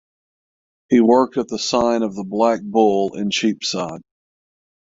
He worked at the sign of the Black Bull in Cheapside.